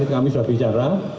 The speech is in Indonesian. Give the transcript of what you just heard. itu kami sudah bicara